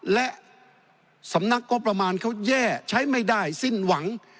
และสำนักงบประมาณเขาแย่ใช้ไม่ได้สิ้นหวัง